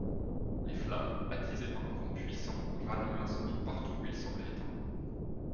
Les flammes, attisées par un vent puissant, raniment l’incendie partout où il semblait éteint.